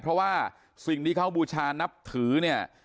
เพราะว่าสิ่งที่เขาบูชานับถือเนี่ย